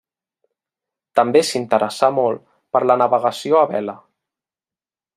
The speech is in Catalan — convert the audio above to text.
També s’interessà molt per la navegació a vela.